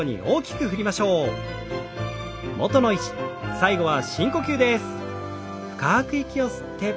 最後は深呼吸です。